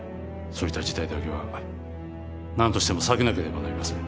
そういった事態だけはなんとしても避けなければなりません。